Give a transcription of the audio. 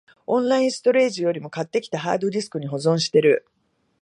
オンラインストレージよりも、買ってきたハードディスクに保存してる